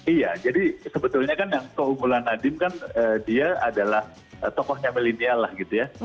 iya jadi sebetulnya kan yang keunggulan nadiem kan dia adalah tokohnya milenial lah gitu ya